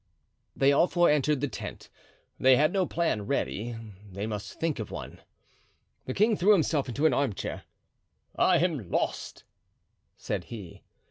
They all four entered the tent; they had no plan ready—they must think of one. The king threw himself into an arm chair. "I am lost," said he.